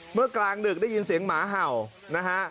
กลางดึกได้ยินเสียงหมาเห่านะฮะ